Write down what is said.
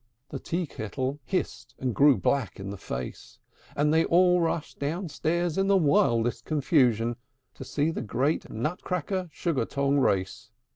The Tea kettle hissed, and grew black in the face; And they all rushed downstairs in the wildest confusion To see the great Nutcracker Sugar tong race.